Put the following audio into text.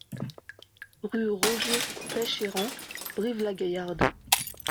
Rue Roger Pecheyrand, Brive-la-Gaillarde